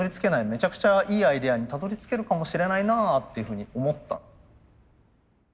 めちゃくちゃいいアイデアにたどりつけるかもしれないなっていうふうに思った。